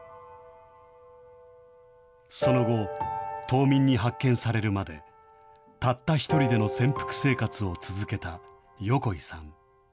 その後、島民に発見されるまで、たった１人での潜伏生活を続けた横井さん。